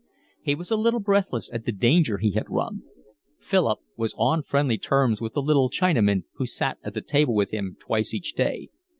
He was a little breathless at the danger he had run. Philip was on friendly terms with the little Chinaman who sat at table with him twice each day.